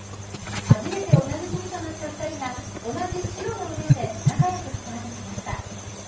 初めて同じ組となった２人が同じ白のウエアで仲よくスタートしました。